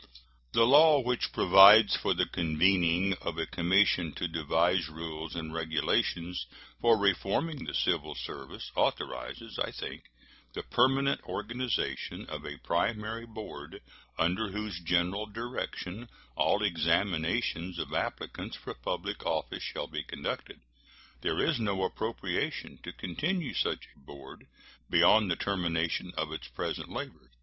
The law which provides for the convening of a commission to devise rules and regulations for reforming the civil service authorizes, I think, the permanent organization of a primary board under whose general direction all examinations of applicants for public office shall be conducted. There is no appropriation to continue such a board beyond the termination of its present labors.